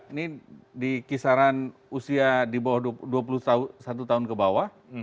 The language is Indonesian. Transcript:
ini di kisaran usia di bawah dua puluh satu tahun ke bawah